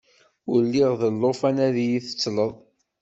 Ur lliɣ d llufan ad iyi-tettleḍ!